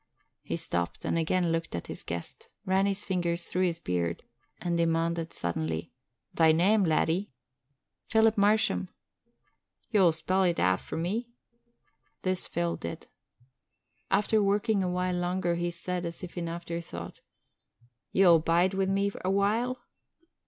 He stopped and again looked at his guest, ran his fingers through his beard and demanded suddenly, "Thy name, laddie?" "Philip Marsham." "Ye'll spell it out for me?" This Phil did. After working a while longer he said as if in afterthought, "Ye'll bide wi' me a while?"